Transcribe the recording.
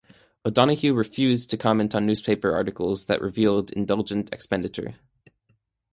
O'Donoghue refused to comment on newspaper articles that revealed indulgent expenditure.